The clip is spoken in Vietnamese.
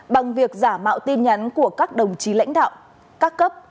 bằng việc giả mạo tin nhắn của các đồng chí lãnh đạo các cấp